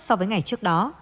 so với ngày trước đó